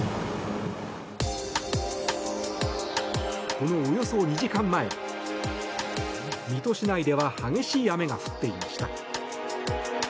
このおよそ２時間前水戸市内では激しい雨が降っていました。